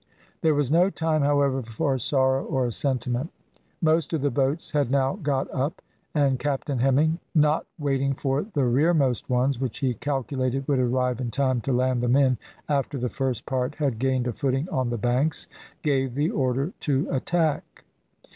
There was no time, however, for sorrow or sentiment. Most of the boats had now got up, and Captain Hemming not waiting for the rearmost ones, which he calculated would arrive in time to land the men after the first part had gained a footing on the banks, gave the order to attack.